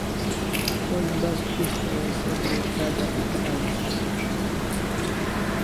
Pon'j bas pishtaw o se mai tada eta ais